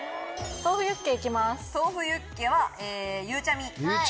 豆腐ユッケはゆうちゃみ。